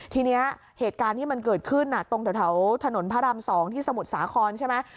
ทีนี้เหตุการณ์ที่มันเกิดขึ้นตรงแถวถนนพระราม๒ที่สมุทรสาครใช่ไหม